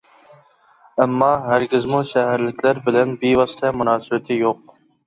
ئەمما ھەرگىزمۇ شەھەرلىكلەر بىلەن بىۋاسىتە مۇناسىۋىتى يوق.